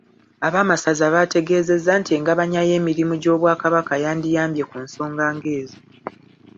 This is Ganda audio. Ab'amasaza baateesezza nti engabanya y'emirimu gy'Obwakabaka yandiyambye ku nsonga ng'ezo.